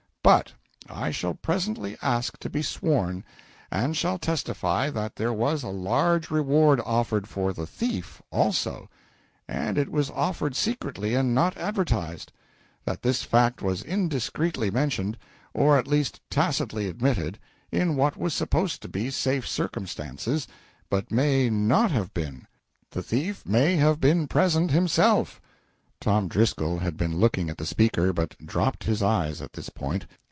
"But I shall presently ask to be sworn, and shall testify that there was a large reward offered for the thief, also; and it was offered secretly and not advertised; that this fact was indiscreetly mentioned or at least tacitly admitted in what was supposed to be safe circumstances, but may not have been. The thief may have been present himself. [Tom Driscoll had been looking at the speaker, but dropped his eyes at this point.